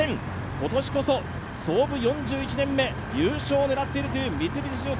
今年こそ、創部４１年目、優勝を狙っているという三菱重工。